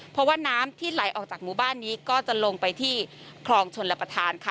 เพราะว่าน้ำที่ไหลออกจากหมู่บ้านนี้ก็จะลงไปที่คลองชนรับประทานค่ะ